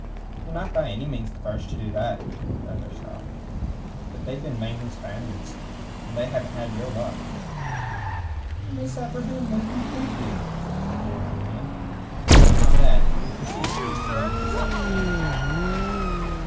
"Ye're not by any means the first to do that," the other scoffed. "But they've mainly been Spaniards, and they hadn't your luck." "You misapprehend me completely," said Lord Julian. And on that he proceeded to explain himself and his mission.